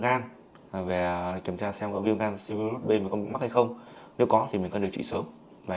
gan và kiểm tra xem có viêm canxi virus b có mắc hay không nếu có thì mình cần được trị sớm và